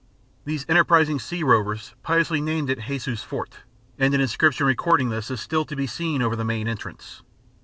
These enterprising sea rovers piously named it "Jesus Fort," and an inscription recording this is still to be seen over the main entrance.